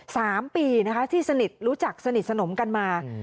สามปีที่รู้จักสนิทสนมกันมา